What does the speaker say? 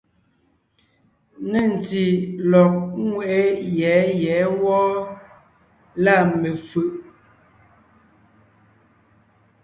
Nê ntí lɔ̀g ńŋeʼe yɛ̌ yɛ̌ wɔ́ɔ, lâ mefʉ̀ʼ.